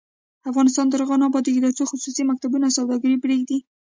افغانستان تر هغو نه ابادیږي، ترڅو خصوصي مکتبونه سوداګري پریږدي.